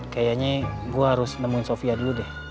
kayaknya gue harus nemuin sofia dulu deh